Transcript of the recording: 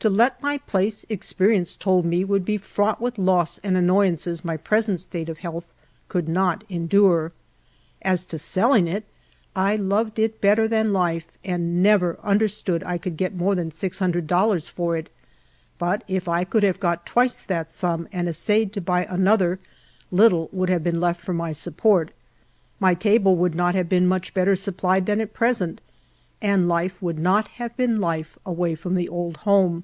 To let my place, experience told me would be fraught with loss and annoyances my present state of health could not endure. As to selliniT it, I loved it better than life, and never under stood I could get more than six hundred dollars for it; but if I could have got twice that sum, and essayed to buy an other, little would have been left for my support. My table would not have been much better supplied than at present, and life would not have been life away from the old home.